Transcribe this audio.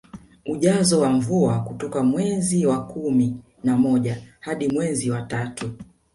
Ujazo wa mvua kutoka mwezi wa kumi na moja hadi mwezi wa tatu